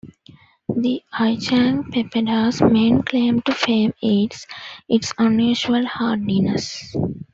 The Ichang papeda's main claim to fame is its unusual hardiness.